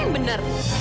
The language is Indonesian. aku sama dia